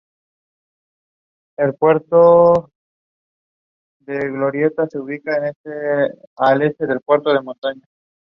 Clasifican los dos primeros de cada grupo para disputar la segunda fase.